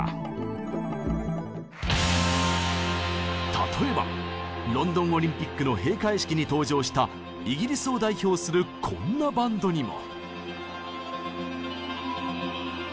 例えばロンドンオリンピックの閉会式に登場したイギリスを代表するこんなバンドにも。